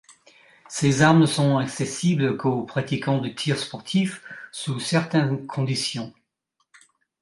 Ces armes ne sont accessibles qu'aux pratiquants de tir sportif, sous certaines conditions.